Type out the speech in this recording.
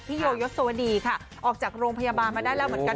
โยยศวดีค่ะออกจากโรงพยาบาลมาได้แล้วเหมือนกัน